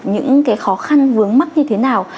những cái khó khăn vướng mắt như thế nào